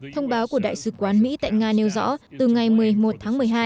thông báo của đại sứ quán mỹ tại nga nêu rõ từ ngày một mươi một tháng một mươi hai